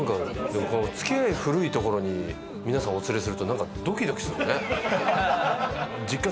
付き合い古い所に皆さんお連れするとなんかドキドキするね。